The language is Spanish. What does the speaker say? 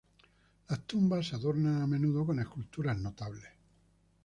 Las tumbas se adornan a menudo con esculturas notables.